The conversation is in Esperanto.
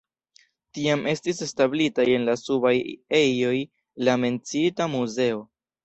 Tiam estis establitaj en la subaj ejoj la menciita muzeo.